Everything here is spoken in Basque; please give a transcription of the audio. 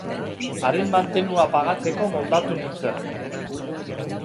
Haren mantenua pagatzeko moldatu nintzen.